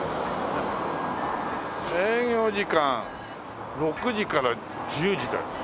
営業時間６時から１０時だよ。